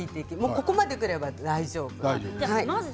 ここまでくれば大丈夫です。